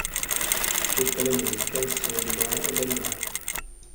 Tutte le musiche sono di Edoardo Bennato.